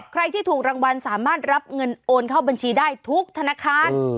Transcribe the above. ใครที่ถูกรางวัลสามารถรับเงินโอนเข้าบัญชีได้ทุกธนาคาร